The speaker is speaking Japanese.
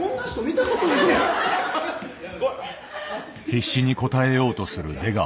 必死に応えようとする出川。